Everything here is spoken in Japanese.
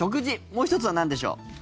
もう１つはなんでしょう。